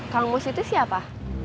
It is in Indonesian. tangmus itu siapa